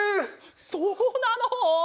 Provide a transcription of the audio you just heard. そうなの！？